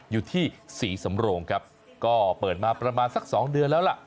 อยู่ที่ศรีสำโรงครับก็เปิดมาประมาณสักสองเดือนแล้วล่ะ